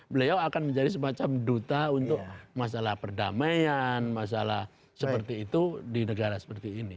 beliau akan menjadi semacam duta untuk masalah perdamaian masalah seperti itu di negara seperti ini